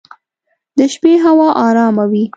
د شپې هوا ارامه وي.